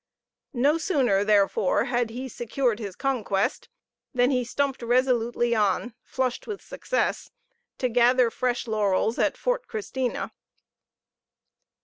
No sooner, therefore, had he secured his conquest than he stumped resolutely on, flushed with success, to gather fresh laurels at Fort Christina.